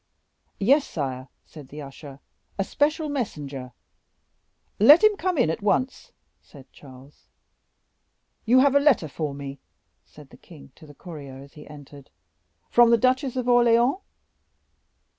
"Yes, sire," said the usher, "a special messenger." "Let him come in at once," said Charles. "You have a letter for me," said the king to the courier as he entered, "from the Duchess of Orleans?"